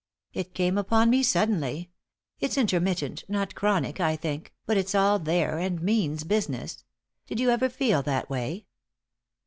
It came upon me suddenly. It's intermittent, not chronic, I think, but it's all there, and means business. Did you ever feel that way?"